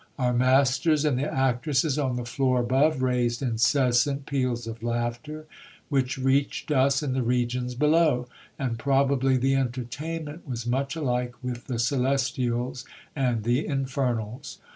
Our masters and the actresses on the floor above, raised incessant peals of laughter, which reached us in the regions below ; and probably the entertainment was much alike with the celestials and the infernals.